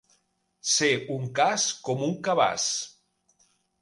Ser un cas com un cabàs.